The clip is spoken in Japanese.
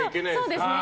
そうです。